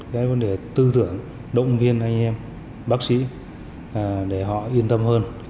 cái vấn đề tư tưởng động viên anh em bác sĩ để họ yên tâm hơn